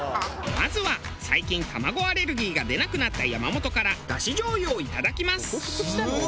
まずは最近卵アレルギーが出なくなった山本からだし醤油をいただきます。